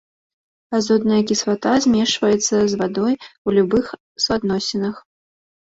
Азотная кіслата змешваецца з вадой у любых суадносінах.